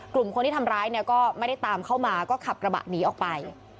กลุ่มคนที่ทำร้ายเนี่ยก็ไม่ได้ตามเข้ามาก็ขับกระบะหนีออกไป